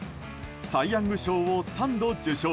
サイ・ヤング賞を３度受賞。